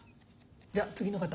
じゃあ次の方。